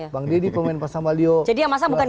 bang dedy pemain pasang baliho jadi yang masang bukan